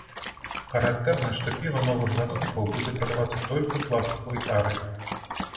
Характэрна, што піва новых гатункаў будзе прадавацца толькі ў пластыкавай тары.